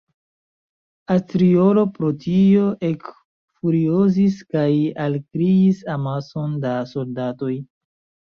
Astriolo pro tio ekfuriozis kaj alkriis amason da soldatoj.